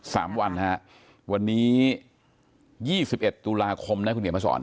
สามวันฮะวันนี้ยี่สิบเอ็ดตุลาคมนะคุณเหนียวมาสอน